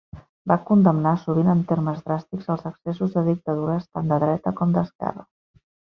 Va condemnar, sovint en termes dràstics, els excessos de dictadures tant de dreta com d'esquerra.